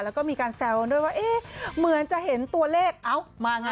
แล้วก็มีการแซวกันด้วยว่าเอ๊ะเหมือนจะเห็นตัวเลขเอ้ามาไง